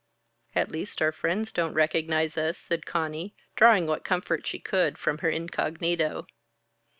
"At least our friends don't recognize us," said Conny, drawing what comfort she could from her incognito.